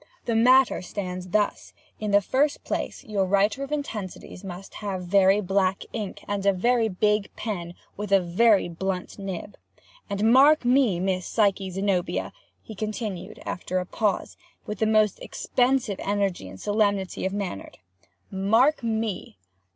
The matter stands thus: In the first place your writer of intensities must have very black ink, and a very big pen, with a very blunt nib. And, mark me, Miss Psyche Zenobia!" he continued, after a pause, with the most expressive energy and solemnity of manner, "mark me!